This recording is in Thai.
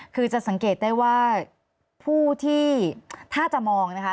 คือจะสังเกตได้ว่าผู้ที่ถ้าจะมองนะคะ